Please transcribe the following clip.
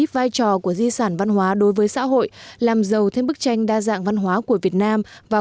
vai trò của di sản văn hóa đối với xã hội làm giàu thêm bức tranh đa dạng văn hóa của việt nam vào